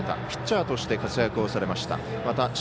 ピッチャーとして活躍をされました。